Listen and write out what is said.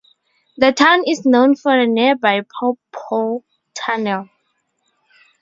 The town is known for the nearby Paw Paw Tunnel.